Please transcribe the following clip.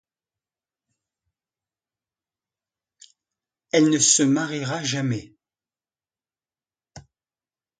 Elle ne se mariera jamais.